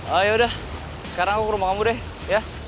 oh yaudah sekarang aku ke rumah kamu deh ya